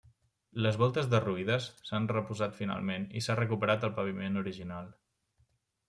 Les voltes derruïdes, s'han reposat finalment i s'ha recuperat el paviment original.